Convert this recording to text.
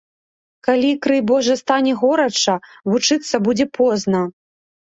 Калі, крый божа, стане горача, вучыцца будзе позна.